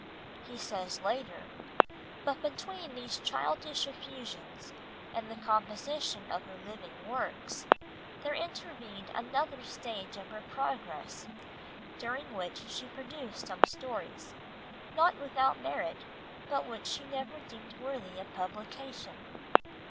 He says later, "But between these childish effusions and the composition of her living works, there intervened another stage of her progress, during which she produced some stories, not without merit, but which she never deemed worthy of publication."